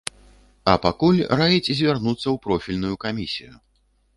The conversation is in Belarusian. А пакуль раіць звярнуцца ў профільную камісію.